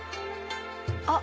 あっ！